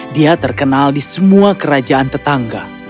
dia terkenal di semua kerajaan tetangga